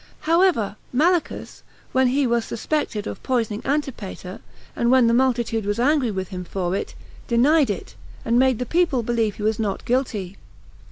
5. However, Malichus, when he was suspected of poisoning Antipater, and when the multitude was angry with him for it, denied it, and made the people believe he was not guilty.